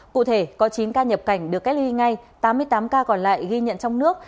cụ thể có chín ca nhập cảnh được cách ly ngay tám mươi tám ca còn lại ghi nhận trong nước